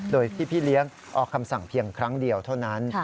โดยที่พี่เลี้ยงออกคำสั่งเพียงครั้งเดียวเท่านั้น